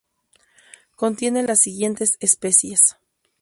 Contiene las siguientes especies